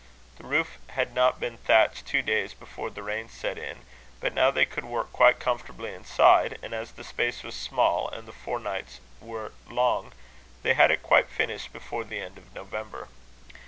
The roof had not been thatched two days before the rain set in; but now they could work quite comfortably inside; and as the space was small, and the forenights were long, they had it quite finished before the end of November.